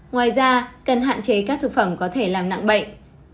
ngoài ra cần hạn chế các thực phẩm có thể làm nặng bệnh